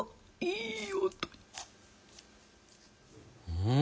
うん。